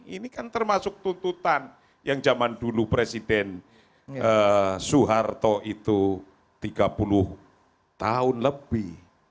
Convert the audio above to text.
ini kan termasuk tuntutan yang zaman dulu presiden soeharto itu tiga puluh tahun lebih